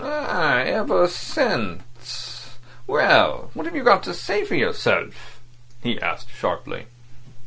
"Ah! ever since. Well! What have you got to say for yourself?" he asked sharply.